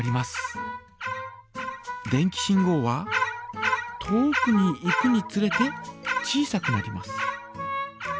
電気信号は遠くに行くにつれて小さくなります。